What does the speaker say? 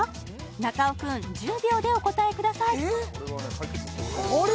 中尾くん１０秒でお答えくださいえっ？